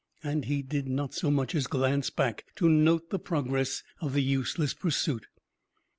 And he did not so much as glance back to note the progress of the useless pursuit.